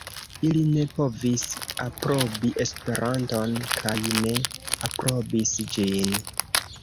Ili ne povis aprobi Esperanton kaj ne aprobis ĝin.